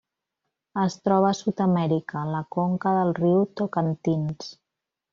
Es troba a Sud-amèrica: la conca del riu Tocantins.